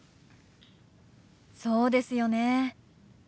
そうですよね。